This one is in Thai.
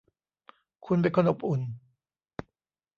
คุณเป็นคนอบอุ่น